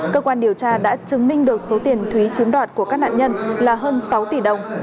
cơ quan điều tra đã chứng minh được số tiền thúy chiếm đoạt của các nạn nhân là hơn sáu tỷ đồng